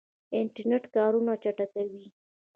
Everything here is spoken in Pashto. انټرنیټ کارونه چټکوي